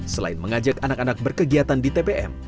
selain mengajak anak anak berkegiatan di tpm